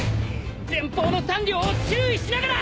前方の３両を注意しながら！